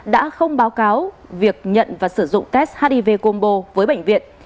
đã không báo cáo việc nhận và sử dụng test hiv combo với bệnh viện